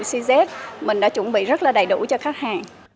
cz mình đã chuẩn bị rất là đầy đủ cho khách hàng